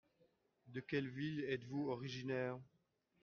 De quelle ville êtes-vous originaire ?